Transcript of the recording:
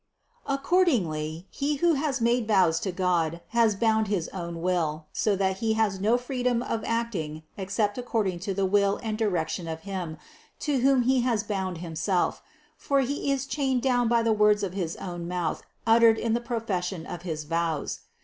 Accordingly he who has made vows to Cod has bound his own will ; so that he has no freedom of acting except according to the will and direction of Him to whom he has bound himself; for he is chained down by the words of his own mouth uttered in the profession of his vows.